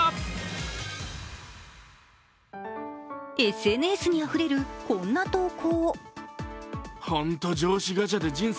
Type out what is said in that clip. ＳＮＳにあふれるこんな投稿。